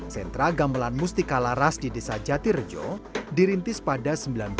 sentra gamelan musti kalaras di desa jatirjo dirintis pada seribu sembilan ratus lima puluh sembilan